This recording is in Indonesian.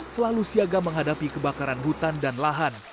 selalu siaga menghadapi kebakaran hutan dan lahan